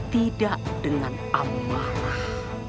tidak dengan amarah